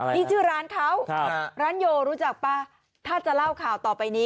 นี่ชื่อร้านเขาร้านโยรู้จักป่ะถ้าจะเล่าข่าวต่อไปนี้